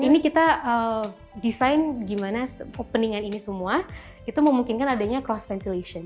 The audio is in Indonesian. nah ini kita desain gimana opening an ini semua itu memungkinkan adanya cross ventilation